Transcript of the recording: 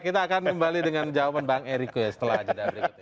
kita akan kembali dengan jawaban bang ericko ya setelah aja